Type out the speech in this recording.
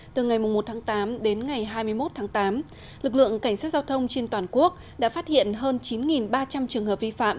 từ ngày một tháng tám đến ngày hai mươi một tháng tám lực lượng cảnh sát giao thông trên toàn quốc đã phát hiện hơn chín ba trăm linh trường hợp vi phạm